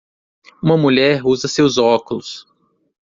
uma mulher usa seus óculos.